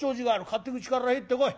勝手口から入ってこい。